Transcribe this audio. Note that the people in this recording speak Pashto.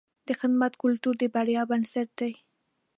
د خدمت کلتور د بریا بنسټ دی.